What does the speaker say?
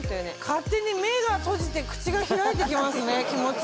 勝手に目が閉じて口が開いてきます気持ちよくて。